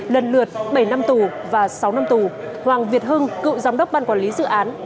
lần lượt bảy năm tù và sáu năm tù hoàng việt hưng cựu giám đốc ban quản lý dự án